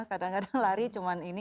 kadang kadang lari cuma ini